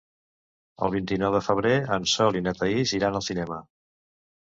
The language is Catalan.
El vint-i-nou de febrer en Sol i na Thaís iran al cinema.